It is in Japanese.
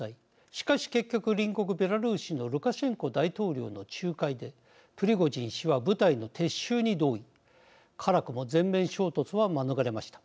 しかし、結局、隣国ベラルーシのルカシェンコ大統領の仲介でプリゴジン氏は部隊の撤収に同意辛くも全面衝突は免れました。